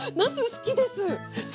好きです。